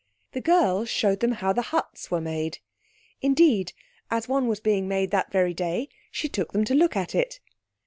The girl showed them how the huts were made—indeed, as one was being made that very day she took them to look at it.